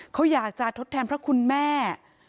เขาอยากจะทดแทนพระคุณแม่